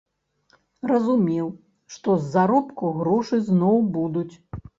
Разумеў, што з заробку грошы зноў будуць.